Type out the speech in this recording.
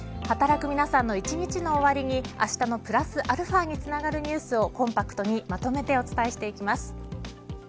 働く皆さんの一日の終わりにあしたのプラスαにつながるニュースをコンパクトにまとめてお伝えしていきます。